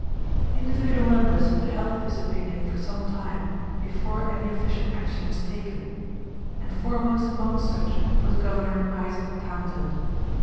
Individual members had held this opinion for some time before any official action was taken, and foremost among such was Governor Isaac Townsend.